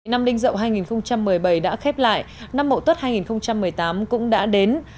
năm đinh dậu hai nghìn một mươi bảy đã khép lại năm mậu tuất hai nghìn một mươi tám cũng đã đến